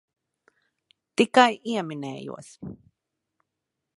Tikai ieminējos.